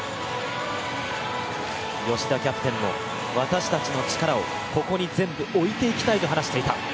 吉田キャプテンも私たちの力をここに全部置いていきたいと話していた。